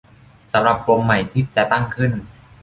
สำหรับกรมใหม่ที่จะตั้งขึ้น